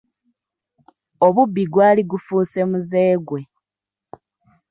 Obubbi gwali gufuuse muze gwe.